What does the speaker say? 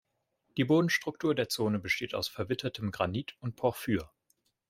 Die Bodenstruktur der Zone besteht aus verwittertem Granit und Porphyr.